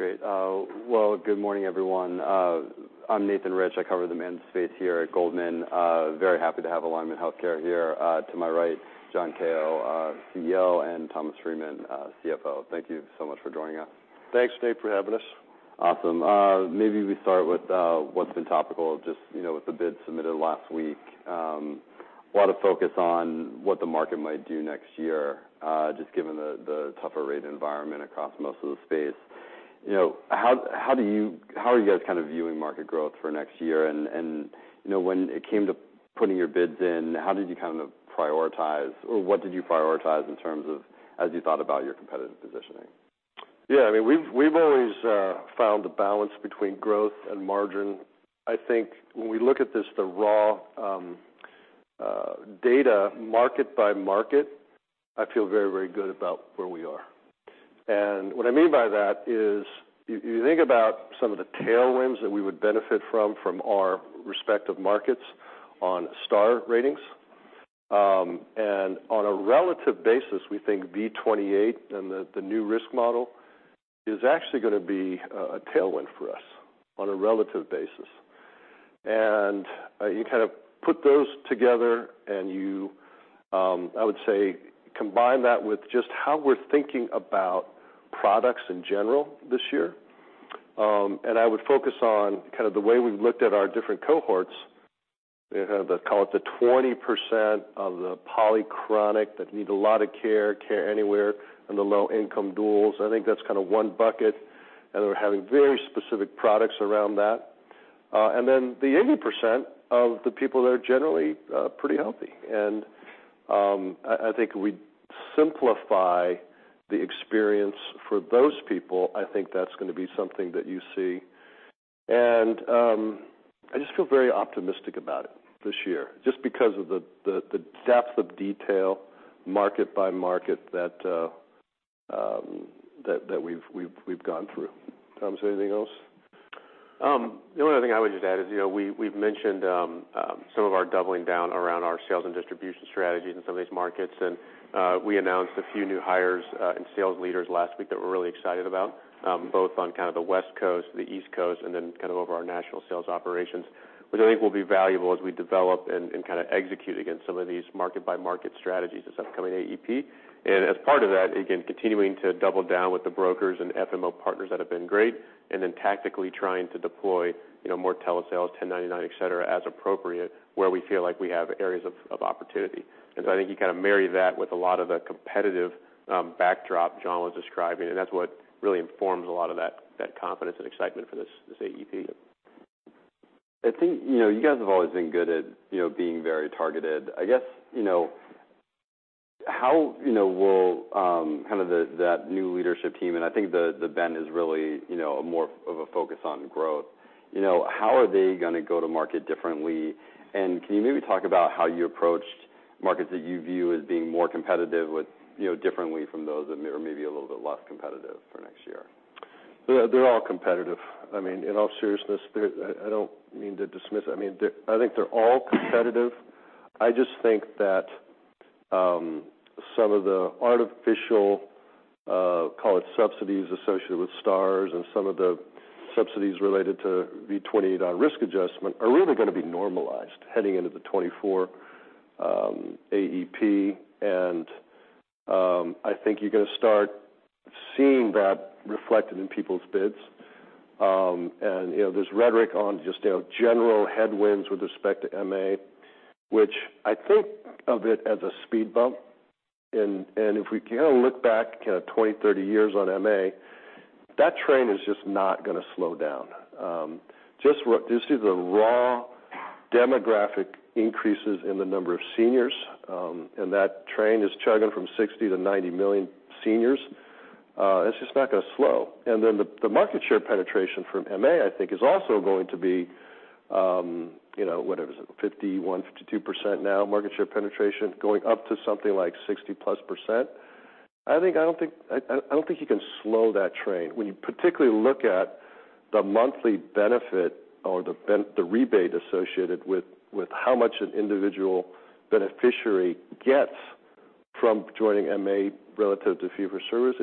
Great. Well, good morning, everyone. I'm Nathan Rich. I cover the managed space here at Goldman. Very happy to have Alignment Healthcare here. To my right, John Kao, CEO, and Thomas Freeman, CFO. Thank you so much for joining us. Thanks, Nate, for having us. Awesome. Maybe we start with what's been topical, just, you know, with the bid submitted last week. A lot of focus on what the market might do next year, just given the tougher rate environment across most of the space. You know, how are you guys kind of viewing market growth for next year? You know, when it came to putting your bids in, how did you kind of prioritize, or what did you prioritize in terms of, as you thought about your competitive positioning? Yeah, I mean, we've always found a balance between growth and margin. I think when we look at this, the raw data market by market, I feel very, very good about where we are. What I mean by that is, if you think about some of the tailwinds that we would benefit from our respective markets on star ratings, and on a relative basis, we think V28 and the new risk model is actually gonna be a tailwind for us on a relative basis. You kind of put those together and you, I would say, combine that with just how we're thinking about products in general this year. I would focus on kind of the way we've looked at our different cohorts. They have the, call it, the 20% of the polychronic that need a lot of care, Care Anywhere, and the low-income duals. I think that's kind of one bucket, and we're having very specific products around that. Then the 80% of the people that are generally pretty healthy. I think we simplify the experience for those people. I think that's gonna be something that you see. I just feel very optimistic about it this year, just because of the depth of detail, market by market, that we've gone through. Thomas, anything else? The only thing I would just add is, you know, we've mentioned some of our doubling down around our sales and distribution strategies in some of these markets, and we announced a few new hires and sales leaders last week that we're really excited about, both on kind of the West Coast, the East Coast, and then kind of over our national sales operations, which I think will be valuable as we develop and kind of execute against some of these market-by-market strategies this upcoming AEP. As part of that, again, continuing to double down with the brokers and FMO partners that have been great, and then tactically trying to deploy, you know, more telesales, 1099, et cetera, as appropriate, where we feel like we have areas of opportunity. I think you kind of marry that with a lot of the competitive backdrop John was describing, and that's what really informs a lot of that confidence and excitement for this AEP. I think, you know, you guys have always been good at, you know, being very targeted. I guess, you know, how, you know, will kind of the, that new leadership team, and I think the bend is really, you know, more of a focus on growth. You know, how are they gonna go to market differently? Can you maybe talk about how you approached markets that you view as being more competitive with, you know, differently from those that are maybe a little bit less competitive for next year? They're all competitive. I mean, in all seriousness, I don't mean to dismiss. I mean, I think they're all competitive. I just think that some of the artificial, call it, subsidies associated with stars and some of the subsidies related to V28 on risk adjustment are really gonna be normalized heading into the 2024 AEP. I think you're gonna start seeing that reflected in people's bids. You know, there's rhetoric on just, you know, general headwinds with respect to MA, which I think of it as a speed bump. If we kind of look back, kind of 20, 30 years on MA, that train is just not gonna slow down. Just see the raw demographic increases in the number of seniors, and that train is chugging from 60 to 90 million seniors. It's just not gonna slow. The market share penetration from MA, I think, is also going to be, you know, what is it? 51%, 52% now, market share penetration, going up to something like 60%+ percent. I don't think you can slow that train. When you particularly look at the monthly benefit or the rebate associated with how much an individual beneficiary gets from joining MA relative to fee-for-service,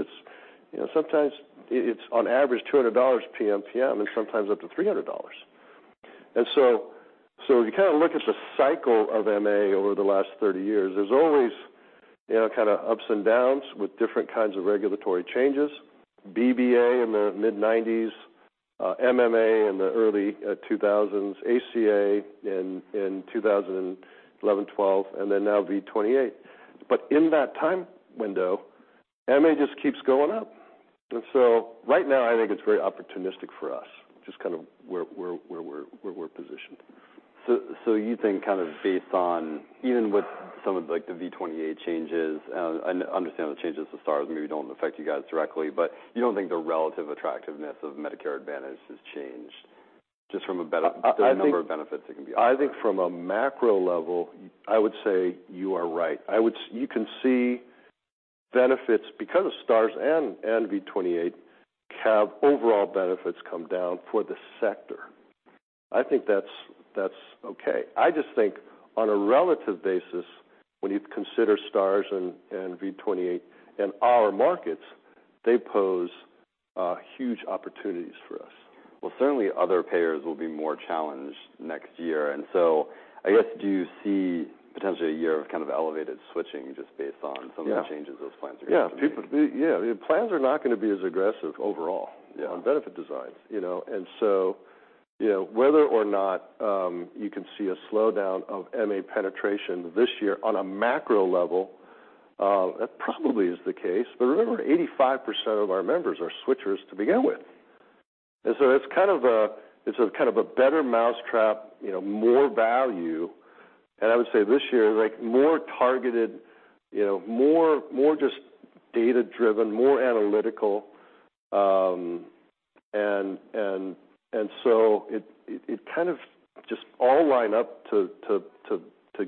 you know, sometimes it's on average, $200 PMPM, and sometimes up to $300. You kind of look at the cycle of MA over the last 30 years, there's always, you know, kind of ups and downs with different kinds of regulatory changes. BBA in the mid-nineties, MMA in the early 2000s, ACA in 2011, 2012, and then now V28. In that time window, MA just keeps going up. Right now, I think it's very opportunistic for us, just kind of where we're positioned. You think kind of based on even with some of, like, the V28 changes, I understand the changes to stars maybe don't affect you guys directly, but you don't think the relative attractiveness of Medicare Advantage has changed just from a? I think- The number of benefits it can be. I think from a macro level, I would say you are right. You can see benefits, because of Stars and V28, have overall benefits come down for the sector. I think that's okay. I just think on a relative basis, when you consider Stars and V28 and our markets, they pose huge opportunities for us. Certainly other payers will be more challenged next year, and so I guess, do you see potentially a year of kind of elevated switching just based on? Yeah Some of the changes those plans are going to? Yeah, plans are not going to be as aggressive overall- Yeah -on benefit designs, you know? You know, whether or not, you can see a slowdown of MA penetration this year on a macro level, that probably is the case. Remember, 85% of our members are switchers to begin with. It's a kind of a better mousetrap, you know, more value. I would say this year, like, more targeted, you know, more just data-driven, more analytical. It kind of just all line up to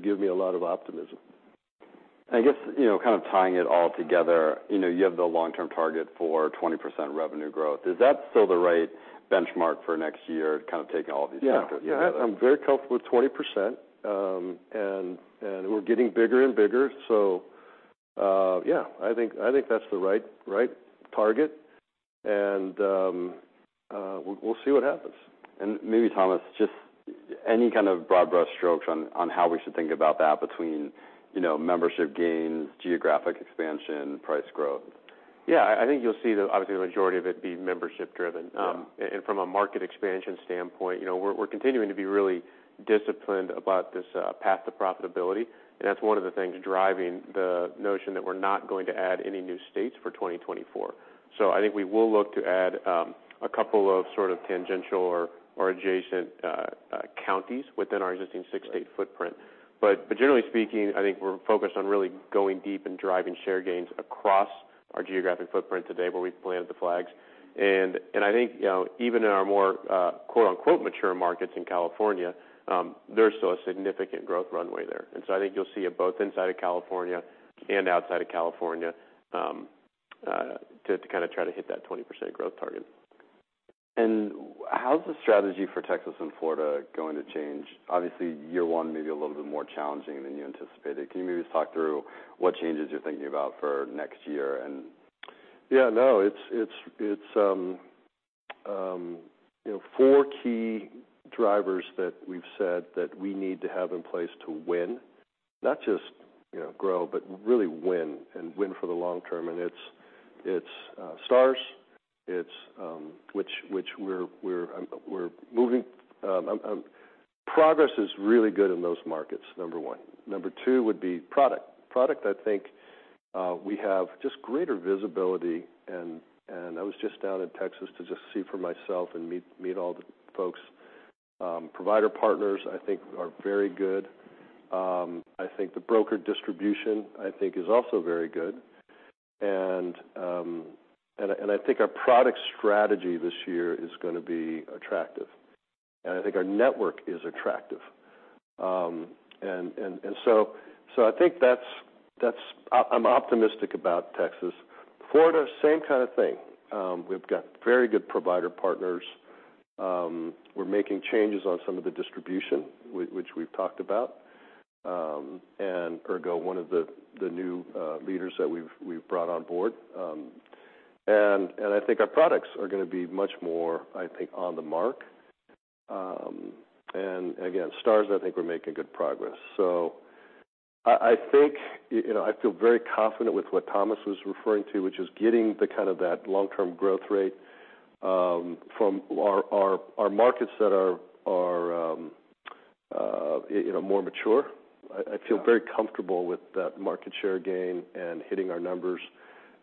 give me a lot of optimism. I guess, you know, kind of tying it all together, you know, you have the long-term target for 20% revenue growth. Is that still the right benchmark for next year, kind of taking all these factors into it? Yeah. I'm very comfortable with 20%, and we're getting bigger and bigger. Yeah, I think that's the right target, and we'll see what happens. Maybe, Thomas, just any kind of broad brush strokes on how we should think about that between, you know, membership gains, geographic expansion, price growth? Yeah, I think you'll see that, obviously, the majority of it be membership driven. Yeah. From a market expansion standpoint, you know, we're continuing to be really disciplined about this path to profitability. That's one of the things driving the notion that we're not going to add any new states for 2024. I think we will look to add a couple of sort of tangential or adjacent counties within our existing six-state footprint. Generally speaking, I think we're focused on really going deep and driving share gains across our geographic footprint today, where we've planted the flags. I think, you know, even in our more quote-unquote mature markets in California, there's still a significant growth runway there. I think you'll see it both inside of California and outside of California to kind of try to hit that 20% growth target. How's the strategy for Texas and Florida going to change? Obviously, year one, maybe a little bit more challenging than you anticipated. Can you maybe just talk through what changes you're thinking about for next year and? Yeah, no, it's, it's, you know, four key drivers that we've said that we need to have in place to win. Not just, you know, grow, but really win and win for the long term. It's, it's Stars, it's, which we're, progress is really good in those markets, number one. Number two would be product. Product, I think, we have just greater visibility, and I was just down in Texas to just see for myself and meet all the folks. Provider partners, I think, are very good. I think the broker distribution, I think, is also very good. I think our product strategy this year is gonna be attractive, and I think our network is attractive. I think I'm optimistic about Texas. Florida, same kind of thing. We've got very good provider partners. We're making changes on some of the distribution, which we've talked about, and Ergo, one of the new leaders that we've brought on board. I think our products are gonna be much more, I think, on the mark. Again, Stars, I think we're making good progress. I think, you know, I feel very confident with what Thomas was referring to, which is getting the kind of that long-term growth rate, from our markets that are, you know, more mature. Yeah. I feel very comfortable with that market share gain and hitting our numbers.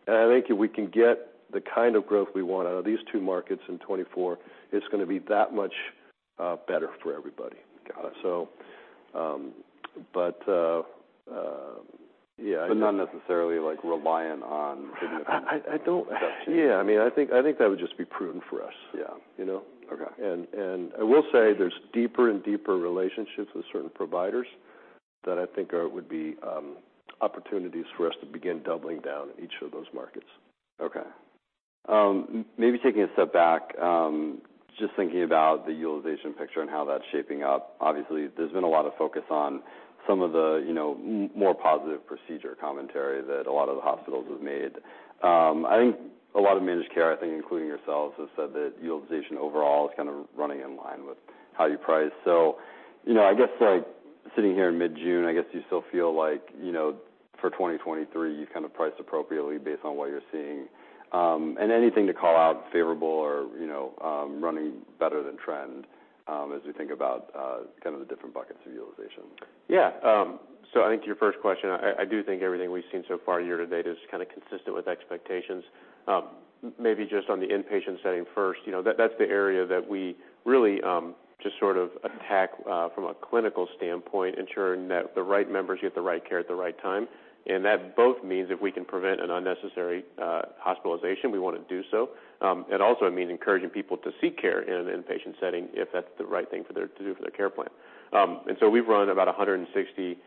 I think if we can get the kind of growth we want out of these two markets in 2024, it's gonna be that much better for everybody. Got it. So, um, but, uh, uh, yeah- not necessarily, like, reliant on significant-. I don't. -investment. I mean, I think that would just be prudent for us. Yeah. You know? Okay. I will say, there's deeper and deeper relationships with certain providers that I think would be opportunities for us to begin doubling down in each of those markets. Okay. Maybe taking a step back, just thinking about the utilization picture and how that's shaping up. Obviously, there's been a lot of focus on some of the, you know, more positive procedure commentary that a lot of the hospitals have made. I think a lot of managed care, including yourselves, has said that utilization overall is kind of running in line with how you price. You know, I guess, like, sitting here in mid-June, I guess you still feel like, you know, for 2023, you've kind of priced appropriately based on what you're seeing. Anything to call out favorable or, you know, running better than trend, as we think about kind of the different buckets of utilization? I think to your first question, I do think everything we've seen so far year to date is kind of consistent with expectations. Maybe just on the inpatient setting first, you know, that's the area that we really just sort of attack from a clinical standpoint, ensuring that the right members get the right care at the right time. That both means if we can prevent an unnecessary hospitalization, we want to do so. It also means encouraging people to seek care in an inpatient setting if that's the right thing to do for their care plan. We've run about 160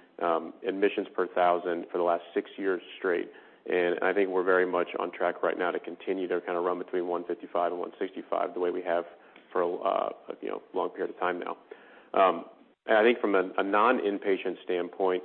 admissions per thousand for the last six years straight, and I think we're very much on track right now to continue to kind of run between 155 and 165, the way we have for a, you know, long period of time now. I think from a non-inpatient standpoint,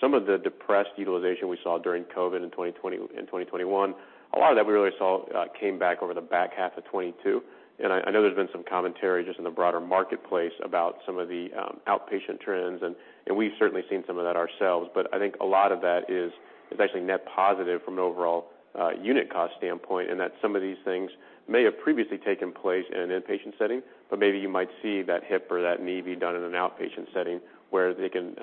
some of the depressed utilization we saw during COVID in 2020 and 2021, a lot of that we really saw came back over the back half of 2022. I know there's been some commentary just in the broader marketplace about some of the outpatient trends, and we've certainly seen some of that ourselves. I think a lot of that is essentially net positive from an overall unit cost standpoint, and that some of these things may have previously taken place in an inpatient setting, but maybe you might see that hip or that knee be done in an outpatient setting, where they can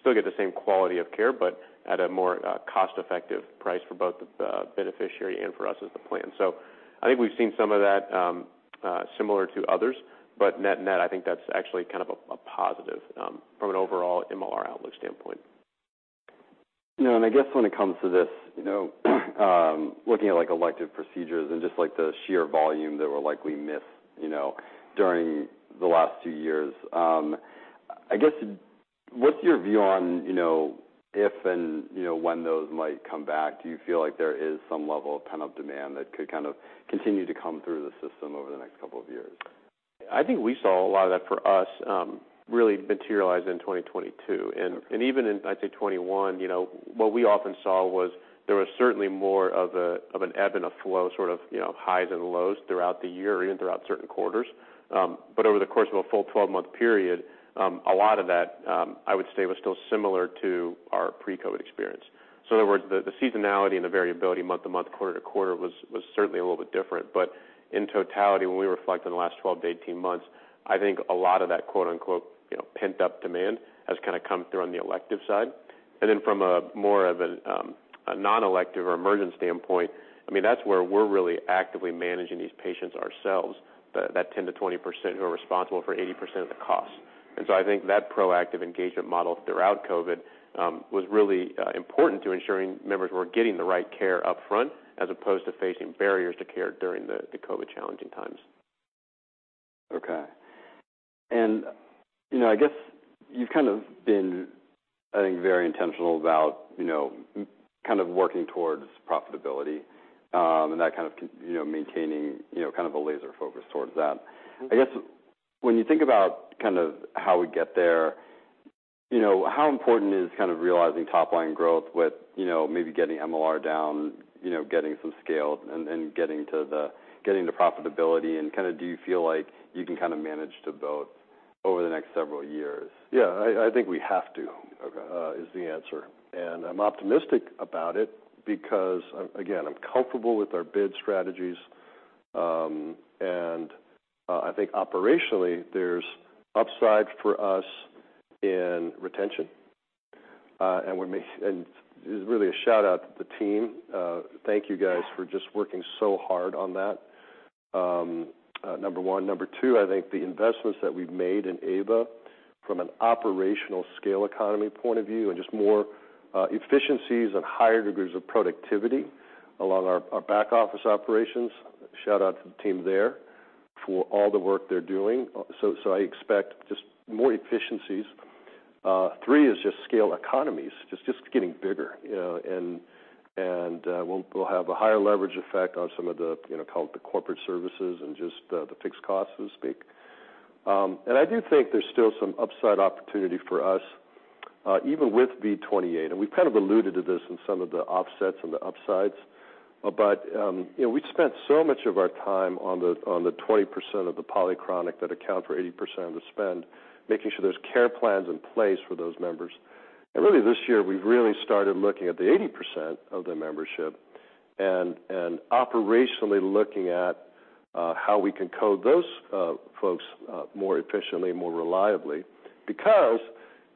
still get the same quality of care, but at a more cost-effective price for both the beneficiary and for us as the plan. I think we've seen some of that similar to others, but net-net, I think that's actually kind of a positive from an overall MLR outlook standpoint. You know, I guess when it comes to this, you know, looking at like, elective procedures and just like the sheer volume that were likely missed, you know, during the last two years, I guess, what's your view on, you know, if and, you know, when those might come back? Do you feel like there is some level of pent-up demand that could kind of continue to come through the system over the next couple of years? I think we saw a lot of that for us, really materialize in 2022. Even in, I'd say 2021, you know, what we often saw was there was certainly more of a, of an ebb and a flow, sort of, you know, highs and lows throughout the year or even throughout certain quarters. Over the course of a full 12-month period, a lot of that, I would say, was still similar to our pre-COVID experience. In other words, the seasonality and the variability, month-to-month, quarter-to-quarter, was certainly a little bit different. In totality, when we reflect on the last 12-18 months, I think a lot of that quote-unquote, you know, pent-up demand has kinda come through on the elective side. From a more of a non-elective or emergent standpoint, I mean, that's where we're really actively managing these patients ourselves, that 10%-20% who are responsible for 80% of the cost. I think that proactive engagement model throughout COVID was really important to ensuring members were getting the right care upfront, as opposed to facing barriers to care during the COVID challenging times. Okay. You know, I guess you've kind of been, I think, very intentional about, you know, kind of working towards profitability, and that kind of, you know, maintaining, you know, kind of a laser focus towards that. I guess, when you think about kind of how we get there, you know, how important is kind of realizing top-line growth with, you know, maybe getting MLR down, you know, getting some scale and getting to profitability, and kind of do you feel like you can kind of manage to both over the next several years? Yeah, I think we have. Okay. is the answer. I'm optimistic about it because, again, I'm comfortable with our bid strategies. I think operationally, there's upside for us in retention. This is really a shout-out to the team. Thank you guys for just working so hard on that, number one. Number two, I think the investments that we've made in AVA from an operational scale economy point of view, and just more efficiencies and higher degrees of productivity along our back-office operations. Shout out to the team there for all the work they're doing. I expect just more efficiencies. Three is scale economies, getting bigger, we'll have a higher leverage effect on some of the, you know, call it the corporate services and the fixed costs. I do think there's still some upside opportunity for us, even with V28, we've kind of alluded to this in some of the offsets and the upsides. You know, we've spent so much of our time on the 20% of the polychronic that account for 80% of the spend, making sure there's care plans in place for those members. Really, this year, we've really started looking at the 80% of the membership and operationally looking at how we can code those folks more efficiently and more reliably. Because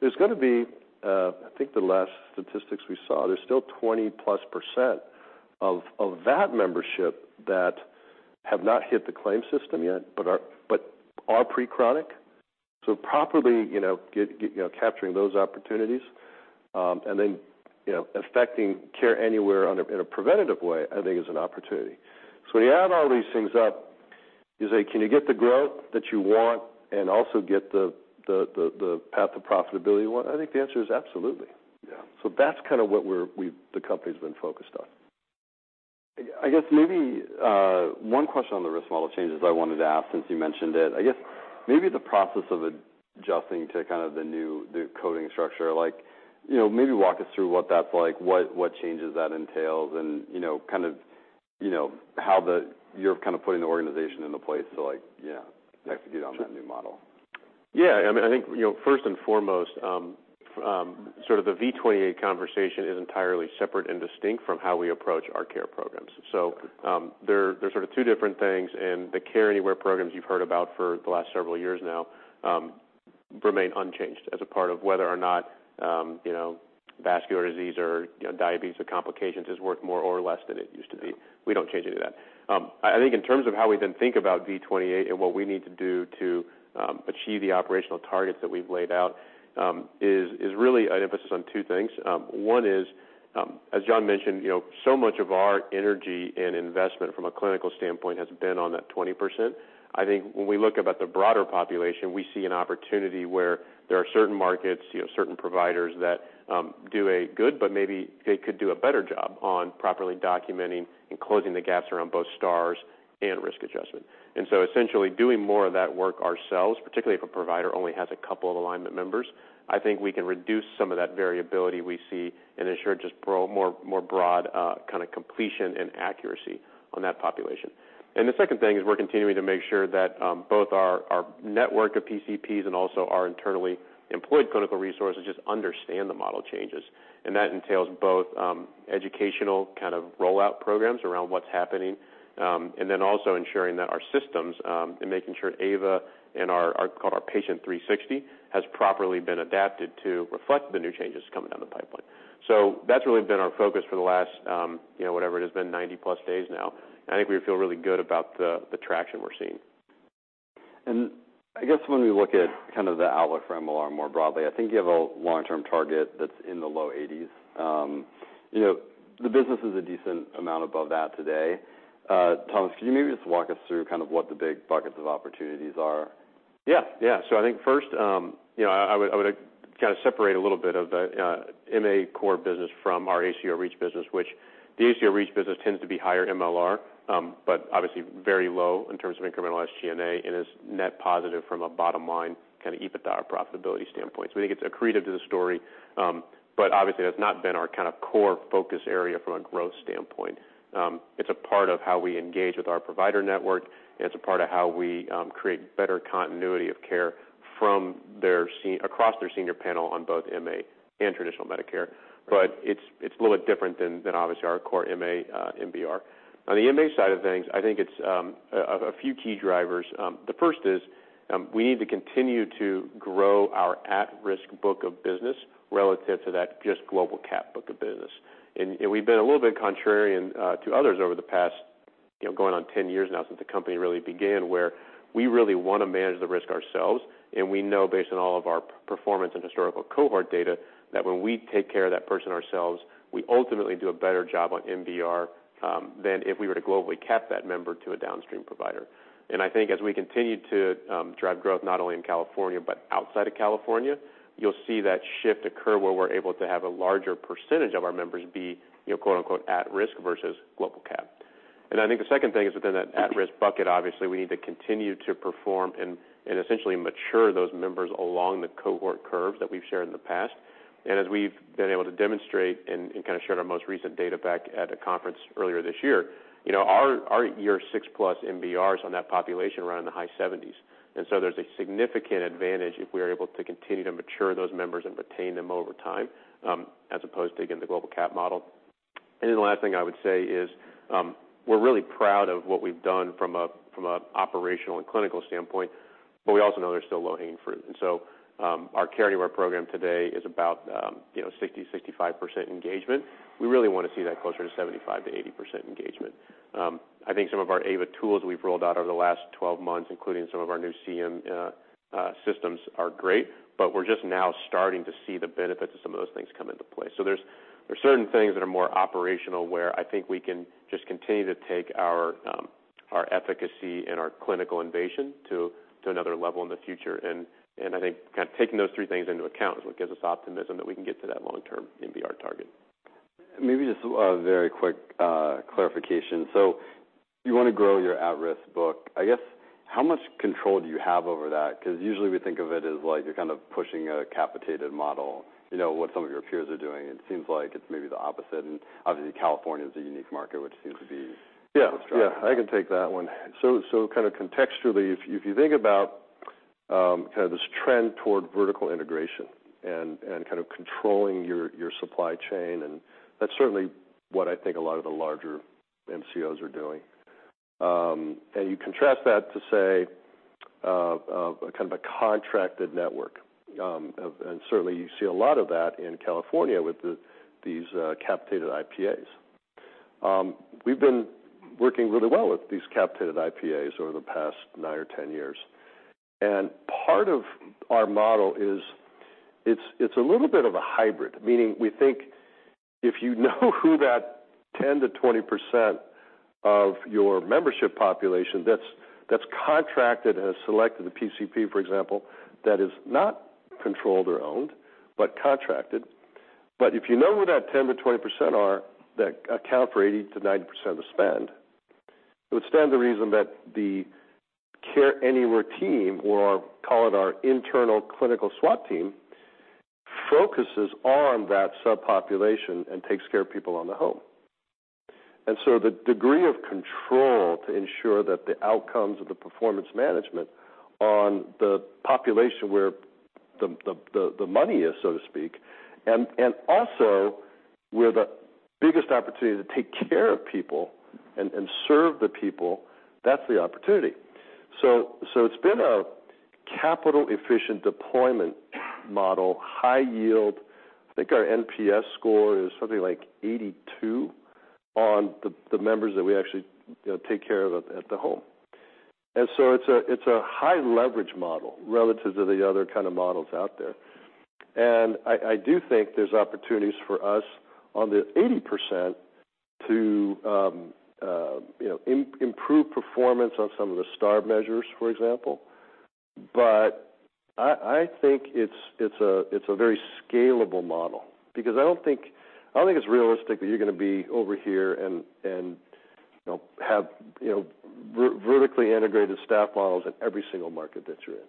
there's gonna be. I think the last statistics we saw, there's still 20+% of that membership that have not hit the claim system yet, but are pre-chronic. Properly, you know, capturing those opportunities, and then, you know, affecting Care Anywhere in a preventative way, I think is an opportunity. When you add all these things up, you say, "Can you get the growth that you want and also get the path to profitability you want?" I think the answer is absolutely. Yeah. That's kind of what the company's been focused on. I guess maybe one question on the risk model changes I wanted to ask, since you mentioned it. I guess maybe the process of adjusting to kind of the new, the coding structure, like, you know, maybe walk us through what that's like, what changes that entails, and, you know, kind of, you know, how you're kind of putting the organization into place to, like, yeah, execute on that new model? Yeah, I mean, I think, sort of the V28 conversation is entirely separate and distinct from how we approach our Care Anywhere programs. They're sort of two different things, and the Care Anywhere programs you've heard about for the last several years now, remain unchanged as a part of whether or not, you know, vascular disease or, diabetes or complications is worth more or less than it used to be. We don't change any of that. I think in terms of how we then think about V28 and what we need to do to achieve the operational targets that we've laid out, is really an emphasis on two things. One is, as John mentioned, you know, so much of our energy and investment from a clinical standpoint has been on that 20%. I think when we look about the broader population, we see an opportunity where there are certain markets, you know, certain providers that do a good, but maybe they could do a better job on properly documenting and closing the gaps around both Stars and risk adjustment. Essentially doing more of that work ourselves, particularly if a provider only has a couple of Alignment members, I think we can reduce some of that variability we see and ensure just more broad, kind of completion and accuracy on that population. The second thing is we're continuing to make sure that both our network of PCPs and also our internally employed clinical resources, just understand the model changes. That entails both educational kind of rollout programs around what's happening, and then also ensuring that our systems, and making sure AVA and our, called our Patient 360, has properly been adapted to reflect the new changes coming down the pipe. That's really been our focus for the last, you know, whatever it has been, 90+ days now. I think we feel really good about the traction we're seeing. I guess when we look at kind of the outlook for MLR more broadly, I think you have a long-term target that's in the low 80s%. You know, the business is a decent amount above that today. Thomas, can you maybe just walk us through kind of what the big buckets of opportunities are? Yeah. Yeah. I think first, you know, I would, I would kind of separate a little bit of the MA core business from our ACO REACH business, which the ACO REACH business tends to be higher MLR, but obviously very low in terms of incremental SG&A and is net positive from a bottom line, kind of EBITDA profitability standpoint. We think it's accretive to the story, but obviously, that's not been our kind of core focus area from a growth standpoint. It's a part of how we engage with our provider network, and it's a part of how we create better continuity of care from their across their senior panel on both MA and traditional Medicare. It's, it's a little bit different than, obviously, our core MA MBR. On the MA side of things, I think it's a few key drivers. The first is, we need to continue to grow our at-risk book of business relative to that just global capitation book of business. We've been a little bit contrarian, to others over the past, you know, going on 10 years now since the company really began, where we really want to manage the risk ourselves. We know based on all of our performance and historical cohort data, that when we take care of that person ourselves, we ultimately do a better job on MBR than if we were to globally cap that member to a downstream provider. I think as we continue to drive growth, not only in California, but outside of California, you'll see that shift occur where we're able to have a larger percentage of our members be, you know, quote, unquote, "at risk" versus global capitation. I think the second thing is within that at-risk bucket, obviously, we need to continue to perform and essentially mature those members along the cohort curves that we've shared in the past. As we've been able to demonstrate and kind of shared our most recent data back at a conference earlier this year, you know, our year 6+ MBRs on that population are around in the high 70s. So there's a significant advantage if we are able to continue to mature those members and retain them over time, as opposed to, again, the global capitation model. The last thing I would say is, we're really proud of what we've done from a, from a operational and clinical standpoint, but we also know there's still low-hanging fruit. Our Care Anywhere program today is about, you know, 60%-65% engagement. We really want to see that closer to 75%-80% engagement. I think some of our AVA tools we've rolled out over the last 12 months, including some of our new CM systems, are great, but we're just now starting to see the benefits of some of those things come into play. There's, there's certain things that are more operational, where I think we can just continue to take our efficacy and our clinical innovation to another level in the future. I think kind of taking those three things into account is what gives us optimism that we can get to that long-term MBR target. Maybe just a very quick clarification. You want to grow your at-risk book. I guess, how much control do you have over that? Because usually, we think of it as like you're kind of pushing a capitated model, you know, what some of your peers are doing, it seems like it's maybe the opposite. Obviously, California is a unique market. Yeah, yeah, I can take that one. Kind of contextually, if you, if you think about kind of this trend toward vertical integration and kind of controlling your supply chain, and that's certainly what I think a lot of the larger MCOs are doing. You contrast that to, say, kind of a contracted network, certainly you see a lot of that in California with the, these, capitated IPAs. We've been working really well with these capitated IPAs over the past nine or 10 years. Part of our model is, it's a little bit of a hybrid, meaning we think if you know who that 10% to 20% of your membership population that's contracted and has selected a PCP, for example, that is not controlled or owned, but contracted. If you know who that 10%-20% are, that account for 80%-90% of spend, you understand the reason that the Care Anywhere team, or call it our internal clinical SWAT team, focuses on that subpopulation and takes care of people on the whole. The degree of control to ensure that the outcomes of the performance management on the population, where the money is, so to speak, and also where the biggest opportunity to take care of people and serve the people, that's the opportunity. It's been a capital-efficient deployment model, high yield. I think our NPS score is something like 82 on the members that we actually, you know, take care of at the home. It's a high-leverage model relative to the other kind of models out there. I do think there's opportunities for us on the 80% to, you know, improve performance on some of the star measures, for example. I think it's a very scalable model because I don't think it's realistic that you're going to be over here and, you know, have, you know, vertically integrated staff models in every single market that you're in.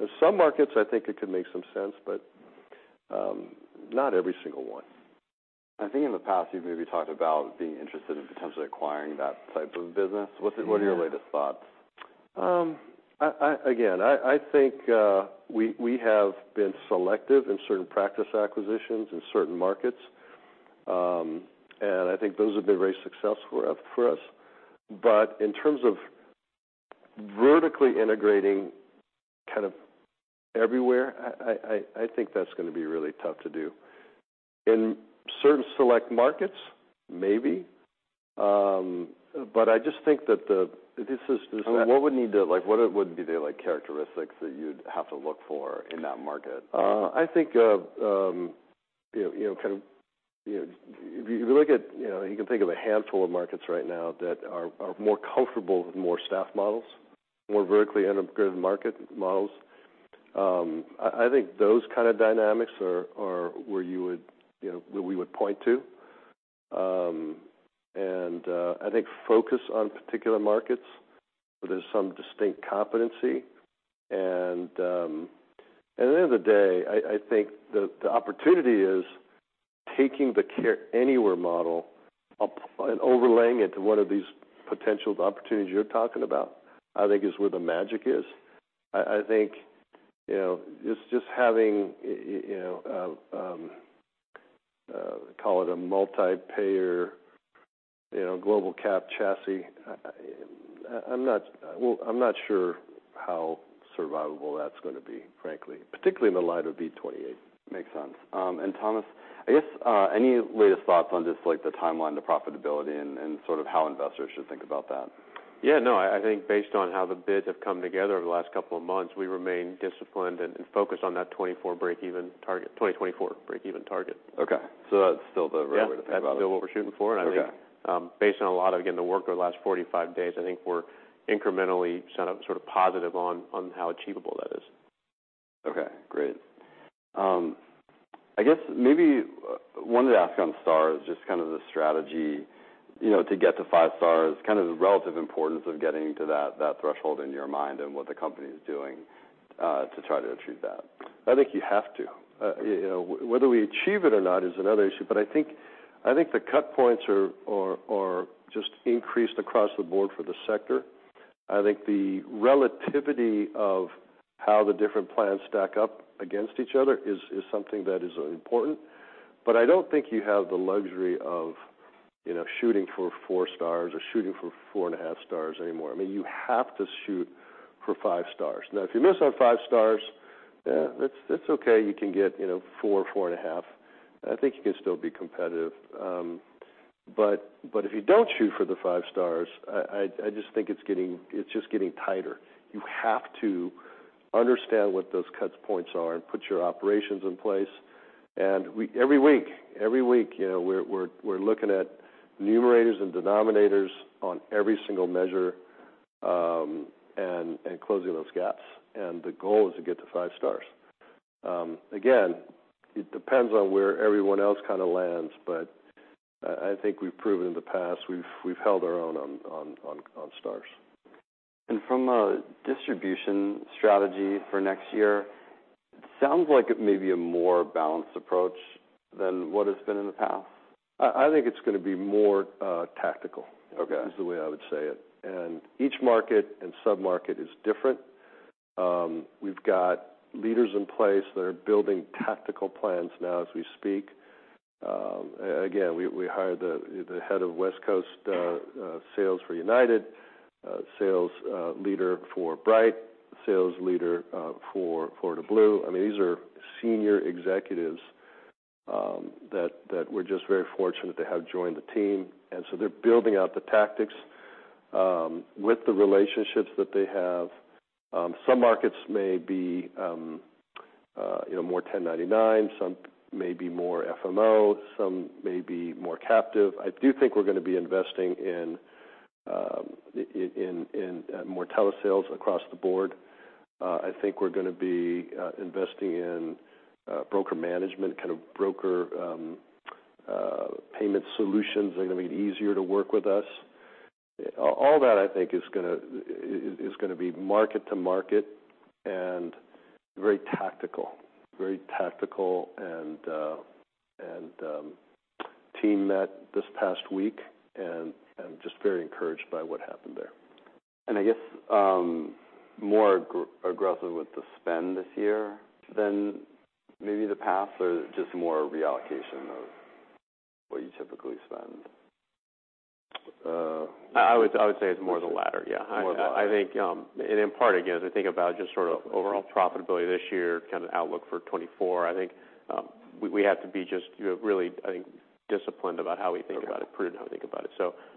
In some markets, I think it could make some sense, but not every single one. I think in the past, you've maybe talked about being interested in potentially acquiring that type of business. Yeah. What are your latest thoughts? Again, I think we have been selective in certain practice acquisitions in certain markets. I think those have been very successful for us. Vertically integrating kind of everywhere, I think that's gonna be really tough to do. In certain select markets, maybe, I just think that. What would need to, like, what would be the, like, characteristics that you'd have to look for in that market? I think, you know, kind of, you know, if you look at, you know, you can think of a handful of markets right now that are more comfortable with more staff models, more vertically integrated market models. I think those kind of dynamics are where you would, you know, where we would point to. I think focus on particular markets where there's some distinct competency. At the end of the day, I think the opportunity is taking the Care Anywhere model up and overlaying it to one of these potential opportunities you're talking about, I think is where the magic is. I think, you know, just having, you know, call it a multi-payer, you know, global cap chassis, I'm not, well, I'm not sure how survivable that's gonna be, frankly, particularly in the light of V28. Makes sense. Thomas, I guess, any latest thoughts on just, like, the timeline to profitability and sort of how investors should think about that? I think based on how the bids have come together over the last couple of months, we remain disciplined and focused on that 24 breakeven target, 2024 breakeven target. Okay, that's still the right way to think about it? Yeah, that's still what we're shooting for. Okay. I think, based on a lot of, again, the work over the last 45 days, I think we're incrementally sort of positive on how achievable that is. Okay, great. I guess maybe wanted to ask on stars, just kind of the strategy, you know, to get to five stars, kind of the relative importance of getting to that threshold in your mind and what the company is doing to try to achieve that. I think you have to. you know, whether we achieve it or not is another issue, but I think the cut points are just increased across the board for the sector. I think the relativity of how the different plans stack up against each other is something that is important. I don't think you have the luxury of, you know, shooting for four stars or shooting for 4.5 stars anymore. I mean, you have to shoot for five stars. Now, if you miss on five stars, that's okay. You can get, you know, 4.5. I think you can still be competitive, but if you don't shoot for the five stars, I just think it's getting tighter. You have to understand what those cuts points are and put your operations in place. Every week, you know, we're looking at numerators and denominators on every single measure, and closing those gaps, and the goal is to get to five stars. Again, it depends on where everyone else kind of lands, I think we've proven in the past, we've held our own on stars. From a distribution strategy for next year, it sounds like it may be a more balanced approach than what has been in the past? I think it's gonna be more. Okay -is the way I would say it. Each market and submarket is different. We've got leaders in place that are building tactical plans now as we speak. Again, we hired the head of West Coast sales for United, sales leader for Bright, sales leader for Florida Blue. I mean, these are senior executives that we're just very fortunate to have joined the team. So they're building out the tactics with the relationships that they have. Some markets may be, you know, more 1099, some may be more FMO, some may be more captive. I do think we're gonna be investing in more telesales across the board. I think we're gonna be investing in broker management, kind of broker payment solutions. They're gonna be easier to work with us. all that, I think, is gonna be market to market and very tactical, and team met this past week, and just very encouraged by what happened there. I guess, more aggressive with the spend this year than maybe the past, or just more reallocation of what you typically spend? Uh- I would say it's more the latter. Yeah. More the latter. I think, in part, again, as I think about just sort of overall profitability this year, kind of outlook for 2024, I think, we have to be just, you know, really, I think, disciplined about how we think about it. Okay Prudent how we think about it.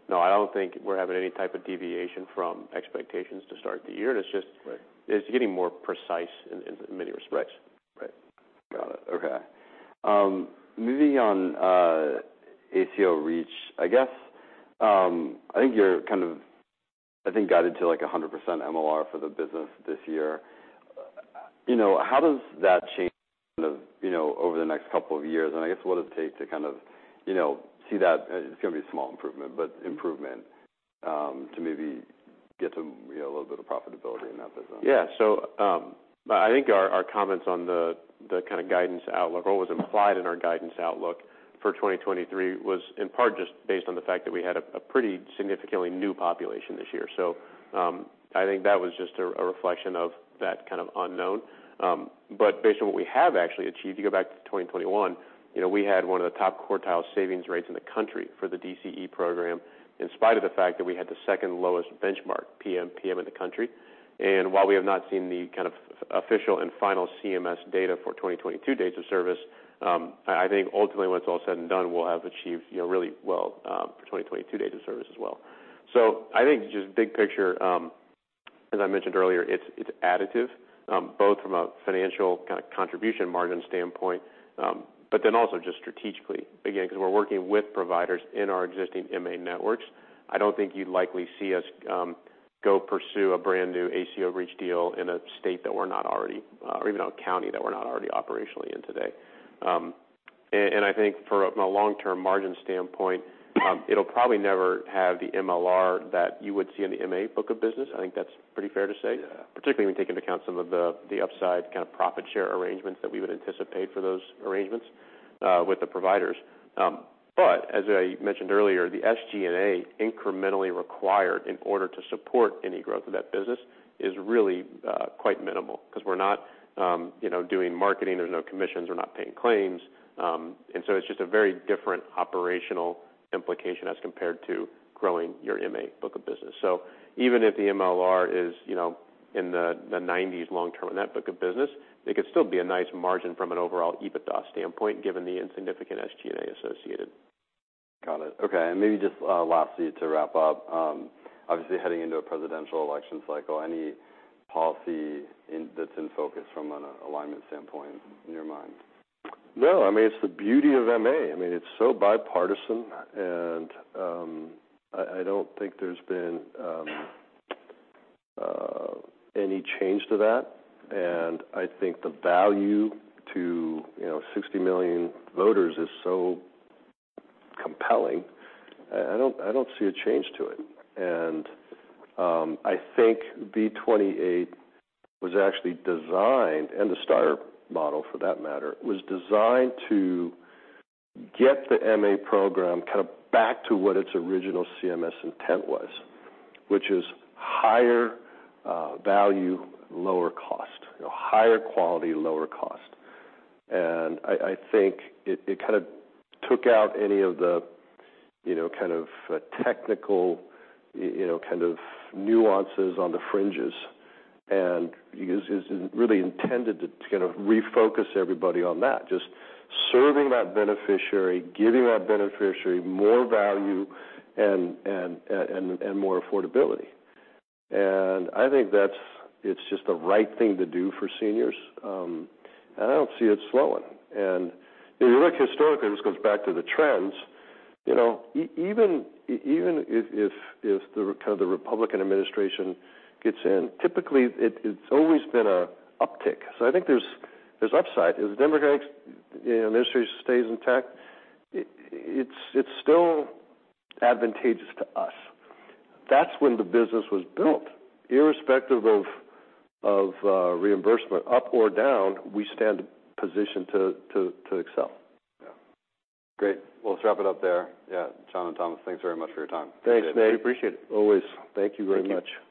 No, I don't think we're having any type of deviation from expectations to start the year. Right It's getting more precise in many respects. Right. Got it. Okay. moving on, ACO REACH, I guess. I think you're kind of, I think, guided to, like, 100% MLR for the business this year. You know, how does that change, you know, over the next couple of years? I guess, what does it take to kind of, you know, see that, it's gonna be a small improvement, but improvement, to maybe get to, you know, a little bit of profitability in that business? I think our comments on the kind of guidance outlook or what was implied in our guidance outlook for 2023 was in part just based on the fact that we had a pretty significantly new population this year. I think that was just a reflection of that kind of unknown. Based on what we have actually achieved, you know, you go back to 2021, we had one of the top quartile savings rates in the country for the DCE program, in spite of the fact that we had the second lowest benchmark PMPM in the country. While we have not seen the kind of official and final CMS data for 2022 days of service, I think ultimately, when it's all said and done, we'll have achieved, you know, really well, for 2022 days of service as well. I think just big picture. As I mentioned earlier, it's additive, both from a financial kind of contribution margin standpoint, but then also just strategically. Again, because we're working with providers in our existing MA networks, I don't think you'd likely see us go pursue a brand new ACO REACH deal in a state that we're not already, or even a county that we're not already operationally in today. I think from a long-term margin standpoint, it'll probably never have the MLR that you would see in the MA book of business. I think that's pretty fair to say, particularly when you take into account some of the upside kind of profit share arrangements that we would anticipate for those arrangements with the providers. As I mentioned earlier, the SG&A incrementally required in order to support any growth of that business is really quite minimal because we're not, you know, doing marketing, there's no commissions, we're not paying claims. It's just a very different operational implication as compared to growing your MA book of business. Even if the MLR is, you know, in the 90s long-term in that book of business, it could still be a nice margin from an overall EBITDA standpoint, given the insignificant SG&A associated. Got it. Okay, maybe just, lastly, to wrap up. Obviously, heading into a presidential election cycle, any policy that's in focus from an Alignment standpoint in your mind? No, I mean, it's the beauty of MA. It's so bipartisan, I don't think there's been any change to that. I think the value to, you know, 60 million voters is so compelling, I don't see a change to it. I think V28 was actually designed, and the starter model for that matter, was designed to get the MA program kind of back to what its original CMS intent was, which is higher value, lower cost, higher quality, lower cost. I think it kind of took out any of the, you know, kind of technical, you know, kind of nuances on the fringes, and is really intended to kind of refocus everybody on that. Just serving that beneficiary, giving that beneficiary more value and more affordability. I think it's just the right thing to do for seniors, and I don't see it slowing. If you look historically, this goes back to the trends, you know, even if the kind of the Republican administration gets in, typically, it's always been a uptick. I think there's upside. If the Democratic, you know, administration stays intact, it's still advantageous to us. That's when the business was built. Irrespective of reimbursement, up or down, we stand positioned to excel. Yeah. Great. Well, let's wrap it up there. Yeah, John and Thomas, thanks very much for your time. Thanks, Nate. We appreciate it. Always. Thank you very much. Thank you.